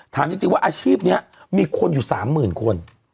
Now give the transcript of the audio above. ถามจริงว่าอาชีพนี้มีคนอยู่๓๐๐๐คน